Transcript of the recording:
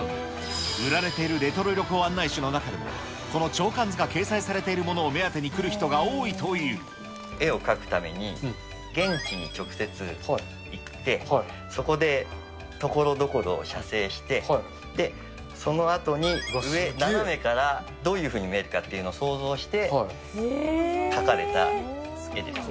売られているレトロ旅行案内誌でもこの鳥観図が掲載されているも絵を描くために、現地に直接行って、そこでところどころ写生して、そのあとに上斜めからどういうふうに見えるかというのを想像して描かれた絵ですね。